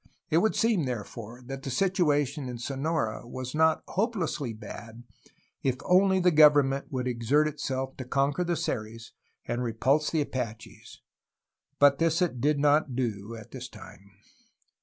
It would seem, therefore, that the situation in Sonora was not hopelessly bad, if only the government would exert itself to conquer the PROGRESS OF OVERLAND ADVANCE 205 Seris and repulse the Apaches, but this it did not do, at the time.